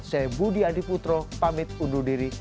saya budi adiputro pamit undur diri